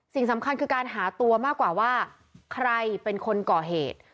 สิ่งสำคัญคือการหาตัวมากกว่าว่าใครเป็นคนก่อเหตุ